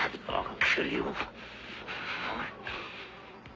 ああ。